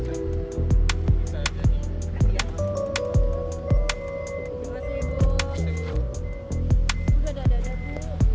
terima kasih ibu